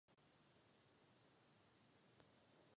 Stejně však neuslyší nic nového.